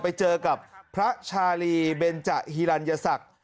ไปเจอกับพระชาลีเบนจฮิลัญศักดิ์